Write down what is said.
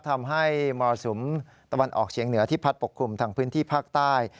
ทำให้มรสุมตะวันออกเฉียงเหนือที่พัดปกคลุมทางพื้นที่ภาคใต้